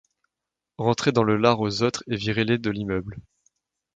Rentrez dans le lard aux autres et virez les de l'immeuble.